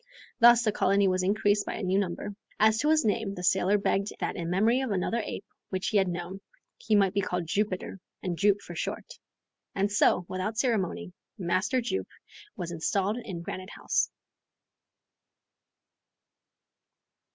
Thus the colony was increased by a new member. As to his name the sailor begged that in memory of another ape which he had known, he might be called Jupiter, and Jup for short. And so, without more ceremony, Master Jup was installed in Granite House.